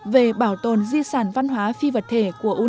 về bảo tồn di sản văn hóa phi vật thể của tây nguyên